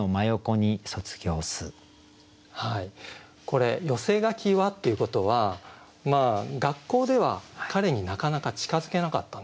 これ「寄せ書きは」っていうことは学校では彼になかなか近づけなかったんですよ。